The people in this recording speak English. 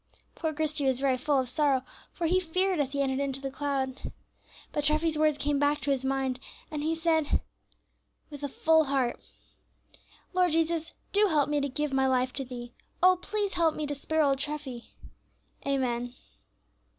Poor Christie was very full of sorrow, for he "feared as he entered into the cloud." But Treffy's words came back to his mind, and he said, with a full heart, "Lord Jesus, do help me to give my life to Thee. Oh! please help me to spare old Treffy. Amen."